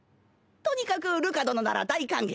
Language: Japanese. とにかくるか殿なら大歓迎じゃ。